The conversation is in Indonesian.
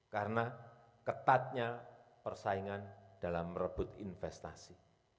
karena ketatnya persaingan dalam merebut investasi